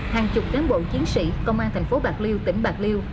hàng chục cán bộ chiến sĩ công an thành phố bạc liêu tỉnh bạc liêu